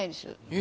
え！